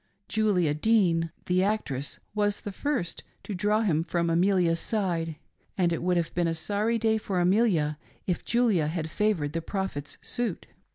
Julia Dean, the actress, was the first to draw him ffotti Amelia's side, and it would have been a sorry day for Amelia if Julia had favored the Prophet's suit.